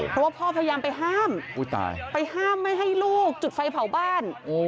เพราะว่าพ่อพยายามไปห้ามไปห้ามไม่ให้ลูกจุดไฟเผาบ้าน